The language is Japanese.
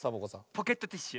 ポケットティッシュ！